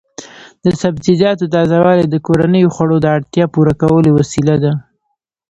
د سبزیجاتو تازه والي د کورنیو خوړو د اړتیا پوره کولو وسیله ده.